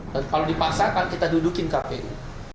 kalau dipaksakan kita dudukin kpu